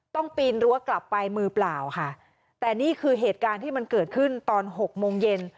ปีนรั้วกลับไปมือเปล่าค่ะแต่นี่คือเหตุการณ์ที่มันเกิดขึ้นตอนหกโมงเย็น